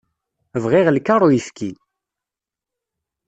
Bɣiɣ lkaṛ n uyefki.